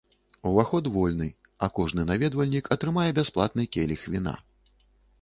Уваход вольны, а кожны наведвальнік атрымае бясплатны келіх віна.